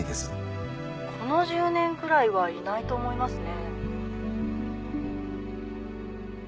この１０年くらいはいないと思いますね・・